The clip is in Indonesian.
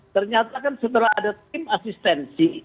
ternyata kan setelah ada tim asistensi